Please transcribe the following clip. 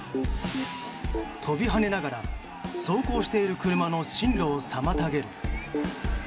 跳びはねながら走行している車の進路を妨げる。